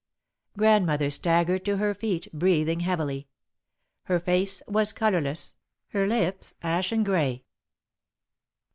Grandmother staggered to her feet, breathing heavily. Her face was colourless, her lips ashen grey.